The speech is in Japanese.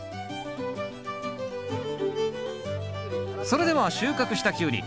それでは収穫したキュウリ